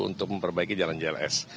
untuk memperbaiki jalan jls